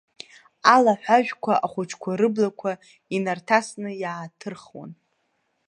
Алаҳәажәқәа ахәыҷқәа рыблақәа инарҭасны иааҭырхуан.